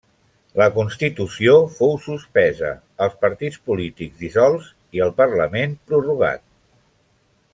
La constitució fou suspesa, els partits polítics dissolts i el parlament prorrogat.